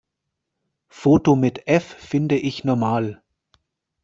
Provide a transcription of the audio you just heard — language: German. Foto mit F finde ich normal.